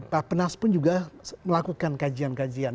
mas pun juga melakukan kajian kajian